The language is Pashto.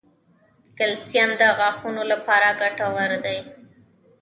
کلسیم د غاښونو لپاره ګټور دی